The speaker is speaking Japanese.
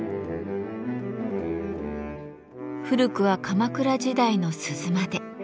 古くは鎌倉時代の鈴まで。